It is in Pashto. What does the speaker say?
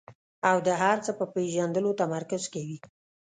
او د هر څه په پېژندلو تمرکز کوي.